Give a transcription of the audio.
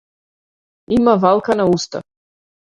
Има валкана уста.